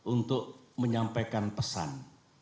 untuk menyampaikan pesan